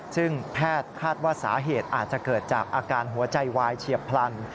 ซึ่งแพทย์คาดว่าสาเหตุอาจจะเกิดจากอาการหัวใจวายเฉียบพลัน